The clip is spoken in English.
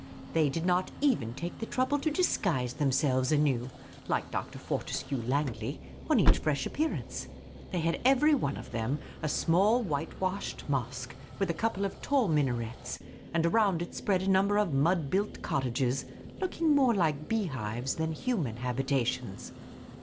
They did not even take the trouble to disguise themselves anew, like Dr. Fortescue Langley, on each fresh appearance. They had every one of them a small whitewashed mosque, with a couple of tall minarets ; and around it spread a tunn ber of mud bnilt cottages, looking more like bee hives than human habitations.